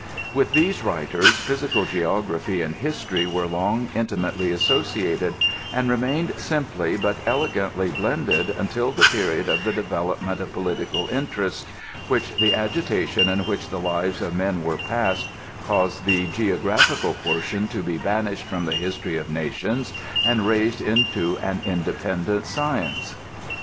With these writers, j^ysical geography and history were long inti mately associated, and remained simply but elegantly blended until the period of the development of political interests, when the agitation in which the lives of men were passed caused the geographical portion to be banished from the history of nations, and raised into an independent science.